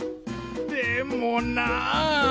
でもな。